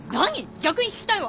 逆に聞きたいわ。